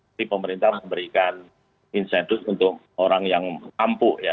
tapi pemerintah memberikan insentif untuk orang yang mampu ya